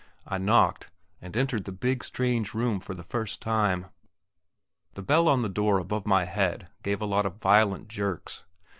I knocked, and entered the big, strange room for the first time. The bell on the door above my head gave a lot of violent jerks.